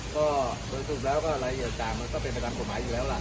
ก็สมมติแล้วว่ารายเหตุการณ์ก็เป็นไปตามผลหมายอยู่แล้วล่ะ